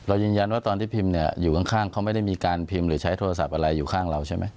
ยืนยันว่าตอนที่พิมพ์เนี่ยอยู่ข้างเขาไม่ได้มีการพิมพ์หรือใช้โทรศัพท์อะไรอยู่ข้างเราใช่ไหม